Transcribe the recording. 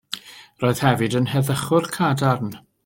Roedd hefyd yn heddychwr cadarn.